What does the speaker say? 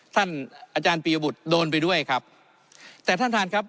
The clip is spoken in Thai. ท่านอาจารย์ปียบุตรโดนไปด้วยครับแต่ท่านท่านครับ